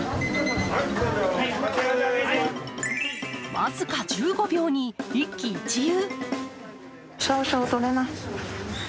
僅か１５秒に一喜一憂。